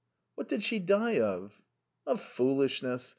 "What did she die of?" " Foolishness.